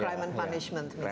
crime and punishment misalnya